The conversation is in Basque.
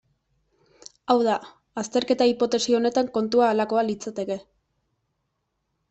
Hau da, azterketa hipotesi honetan kontua halakoa litzateke.